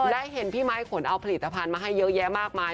และเห็นพี่ไม้ขนเอาผลิตภัณฑ์มาให้เยอะแยะมากมาย